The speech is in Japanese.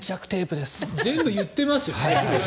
全部言ってますよね。